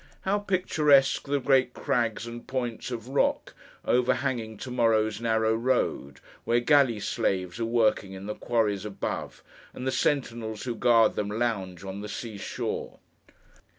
How picturesque the great crags and points of rock overhanging to morrow's narrow road, where galley slaves are working in the quarries above, and the sentinels who guard them lounge on the sea shore!